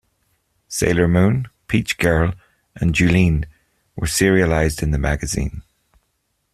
"Sailor Moon", "Peach Girl", and "Juline" were serialized in the magazine.